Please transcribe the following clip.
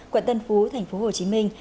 quận tân phú thành phố hồ chí minh